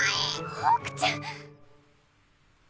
ホークちゃん！